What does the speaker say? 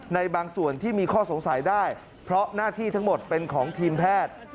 ในบางส่วนที่มีข้อสงสัยได้เพราะหน้าที่ทั้งหมดเป็นของทีมแพทย์